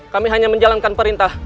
kami hanya menjalankan perintah